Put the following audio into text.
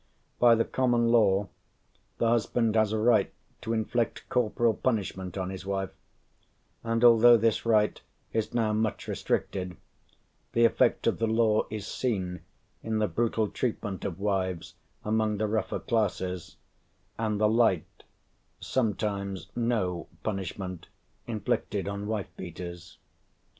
By the common law the husband has a right to inflict corporal punishment on his wife, and although this right is now much restricted, the effect of the law is seen in the brutal treatment of wives among the rougher classes, and the light sometimes no punishment inflicted on wife beaters.